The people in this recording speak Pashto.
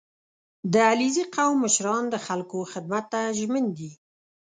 • د علیزي قوم مشران د خلکو خدمت ته ژمن دي.